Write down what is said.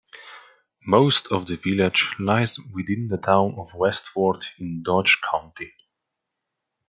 Most of the village lies within the Town of Westford in Dodge County.